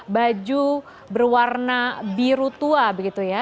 baju berwarna biru tua begitu ya